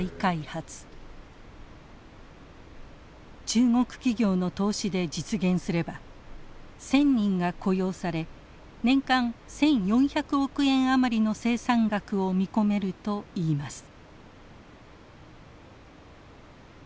中国企業の投資で実現すれば１，０００人が雇用され年間１，４００億円余りの生産額を見込めるといいます。